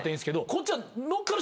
こっちは。